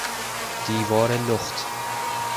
دیوار لخت